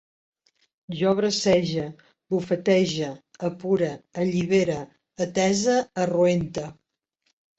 Jo brasege, bufetege, apure, allibere, atese, arroente